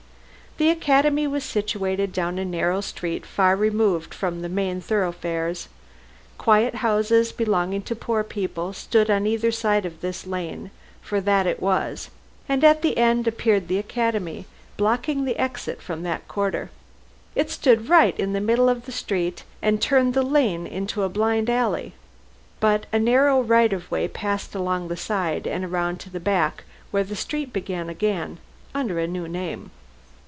The Academy was situated down a narrow street far removed from the main thoroughfares. Quiet houses belonging to poor people stood on either side of this lane for that it was and at the end appeared the Academy, blocking the exit from that quarter. It stood right in the middle of the street and turned the lane into a blind alley, but a narrow right of way passed along the side and round to the back where the street began again under a new name.